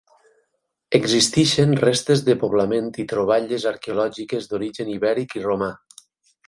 Existeixen restes de poblament i troballes arqueològiques d'origen ibèric i romà.